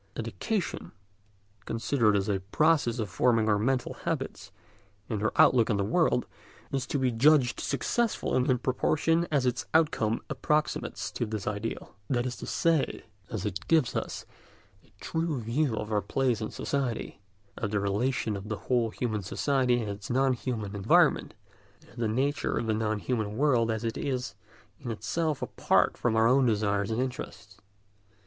Education, considered as a process of forming our mental habits and our outlook on the world, is to be judged successful in proportion as its outcome approximates to this ideal; in proportion, that is to say, as it gives us a true view of our place in society, of the relation of the whole human society to its non human environment, and of the nature of the non human world as it is in itself apart from our desires and interests.